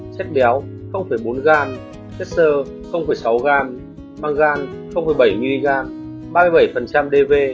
chất béo chất xơ mangan ba mươi bảy dv